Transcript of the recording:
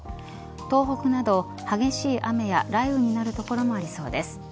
東北など激しい雨や雷雨になる所もありそうです。